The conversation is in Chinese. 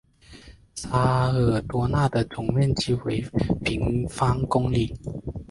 沙尔多讷的总面积为平方公里。